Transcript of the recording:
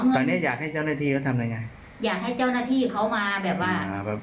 ตอนนี้อยากให้เจ้าหน้าที่เขาทำอะไรไงอยากให้เจ้าหน้าที่เขามาแบบว่าอ่าแบบ